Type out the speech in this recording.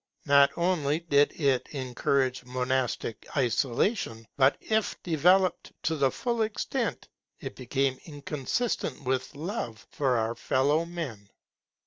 Not only did it encourage monastic isolation, but if developed to the full extent, it became inconsistent with love for our fellow men.